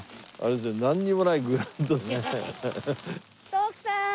徳さーん！